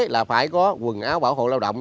là phải có quần áo bảo hộ lao động